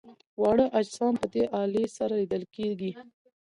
واړه اجسام په دې الې سره لیدل کیږي.